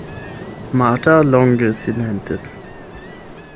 Marta longe silentis.